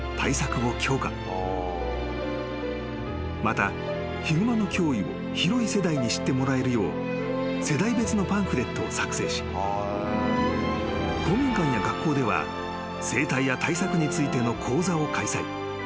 ［またヒグマの脅威を広い世代に知ってもらえるよう世代別のパンフレットを作成し公民館や学校では生態や対策についての講座を開催］